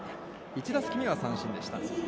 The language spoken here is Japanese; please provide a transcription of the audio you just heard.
１打席目は三振でした。